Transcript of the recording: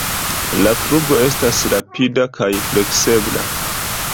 La flugo estas rapida kaj fleksebla.